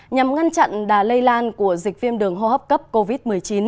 nhằm ngăn chặn đà lây lan của dịch viêm đường hô hấp cấp covid một mươi chín